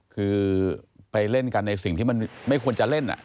คือไปเล่นกันในสิ่งที่มันไม่ควรจะเล่น